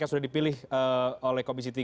yang sudah dipilih oleh komisi tiga